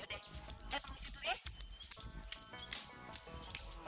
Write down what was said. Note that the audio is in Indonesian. lihatmu di situ ya